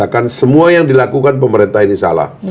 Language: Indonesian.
kami lakukan pemerintahan ini salah